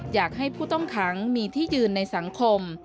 อยากให้ผู้ต้องขังมีที่ยืนในสังคม